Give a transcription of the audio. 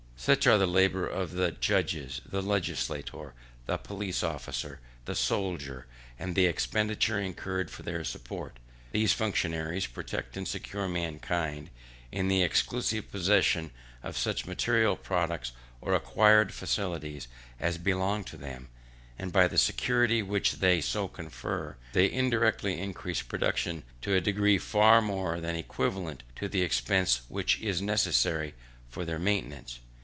Such are the labour of the judge, the legislator, the police officer, the soldier; and the expenditure incurred for their support. These functionaries protect and secure mankind in the exclusive possession of such material products or acquired faculties as belong to them; and by the security which they so confer, they indirectly increase production in a degree far more than equivalent to the expense which is necessary for their maintenance.